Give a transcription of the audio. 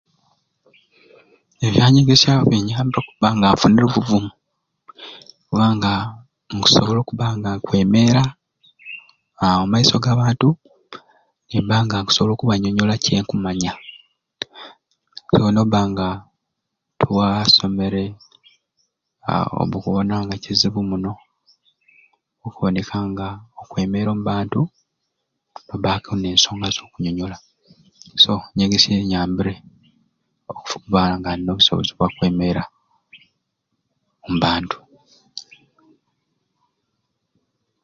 Ebyanyegesya binyambire okuba nga nfunire obuvumu hmm kubanga nkusobola okubba nga nkwemera ahh omumaiso gabantu nimba nga nkusobola okubanyonyola kyenkumanya, so nobanga tiwasomere ahh oba okubona nga kizibu muno okuboneka nga okwemera omubantu nobanga olina ensonga zokunyonyola so enyegesya enyambire okubanga nina obusobozi obwakwemera omubantu.